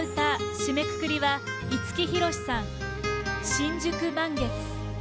締めくくりは五木ひろしさん「新宿満月」。